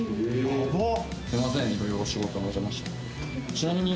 ちなみに